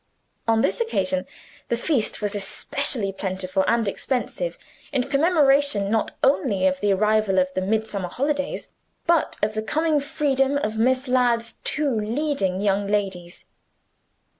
On this occasion, the feast was especially plentiful and expensive, in commemoration not only of the arrival of the Midsummer holidays, but of the coming freedom of Miss Ladd's two leading young ladies.